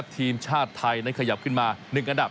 ทีมชาติไทยนั้นขยับขึ้นมา๑อันดับ